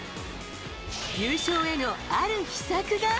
優勝へのある秘策が。